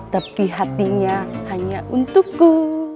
tapi hatinya hanya untukku